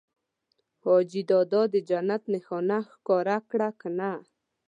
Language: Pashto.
حاجي دادا د جنت نښانه ښکاره کړه که نه؟